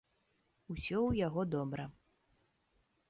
Усё ў яго добра.